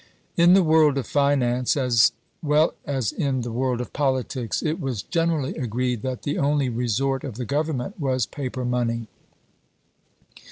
In the world of finance, as well as in the world of politics, it was generally agreed that the only resort of the Government was paper money.